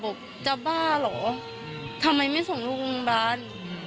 บอกจะบ้าเหรอทำไมไม่ส่งลูกโรงพยาบาล